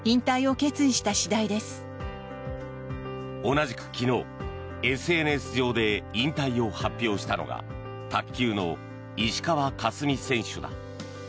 同じく昨日、ＳＮＳ上で引退を発表したのが卓球の石川佳純選手だ。